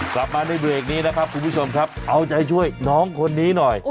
กลับมาในเบรกนี้นะครับคุณผู้ชมครับเอาใจช่วยน้องคนนี้หน่อย